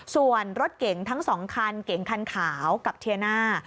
ส่วนรถเก๋งทั้ง๒คันเก่งคันขาวกับเทียน่า